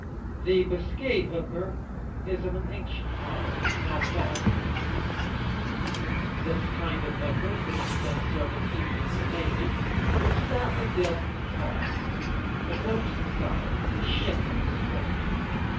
The Biscay hooker is of an ancient model, now fallen into disuse. This kind of hooker, which has done service even in the navy, was stoutly built in its hull a boat in size, a ship in strength.